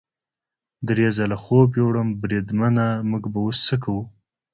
درې ځله خوب یووړم، بریدمنه موږ به اوس څه کوو؟